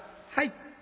「はい」。